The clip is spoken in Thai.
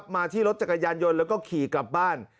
มาที่รถจักรยานยนต์แล้วก็ขี่กลับบ้าน